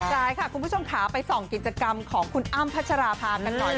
สวัสดีค่ะคุณผู้ชมขาไปส่องกิจกรรมของคุณอ้ามพัชราภาพกันหน่อย